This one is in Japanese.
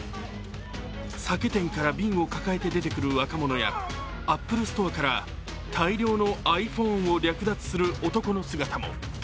酒店から瓶を抱えて出てくる若者やＡｐｐｌｅＳｔｏｒｅから大量のｉＰｈｏｎｅを略奪する男の姿も。